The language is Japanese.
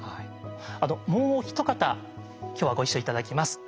あともう一方今日はご一緒頂きます。